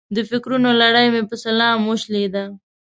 د فکرونو لړۍ مې په سلام وشلېده.